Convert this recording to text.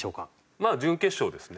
まあ準決勝ですね。